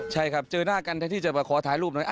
ใช่ครับเจอหน้ากันแทนที่จะมาขอถ่ายรูปหน่อย